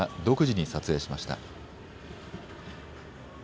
ＮＨＫが独自に撮影しました。